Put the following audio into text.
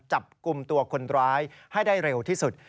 จับกลุ่มตัวคนร้ายให้ได้เร็วที่สุด